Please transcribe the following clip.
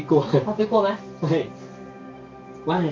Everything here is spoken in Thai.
โคตรพี่